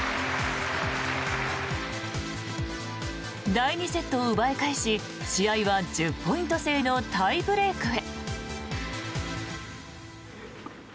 第２セットを奪い返し試合は１０ポイント制のタイブレークへ。